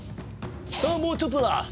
さあもうちょっとだ！